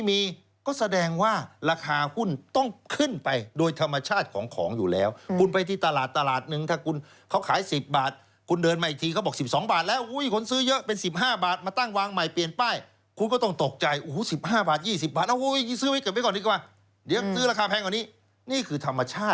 อีกสักครู่หนึ่งช่วงหน้ามาดูกันต่อยังมีอีกหลายข้อค่ะ